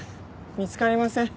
見つかりません。